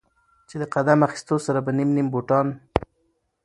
چې د قدم اخيستو سره به نيم نيم بوټان